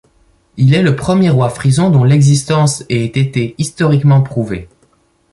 Il est le premier roi frison dont l'existence ait été historiquement prouvée.